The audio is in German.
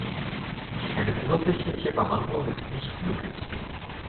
Eine ursächliche Behandlung ist nicht möglich.